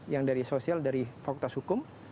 yang dari sosial dari fakultas hukum